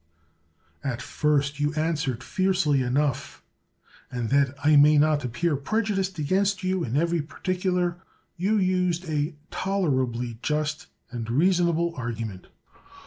At first you answered fiercely enough ; and that I may not appear prej udiced against you in every particular, you used a tolerably just and reasonable argument.